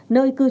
nơi cư trú